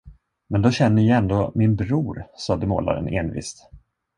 Men då känner ni ju ändå min bror, sade målaren envist.